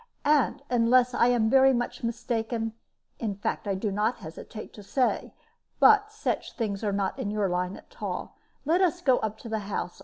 And unless I am very much mistaken in fact, I do not hesitate to say But such things are not in your line at all. Let us go up to the house.